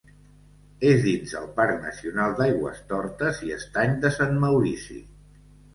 És dins el Parc Nacional d'Aigüestortes i Estany de Sant Maurici.